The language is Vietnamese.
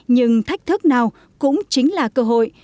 nhưng thách thức nào cũng chính là cơ hội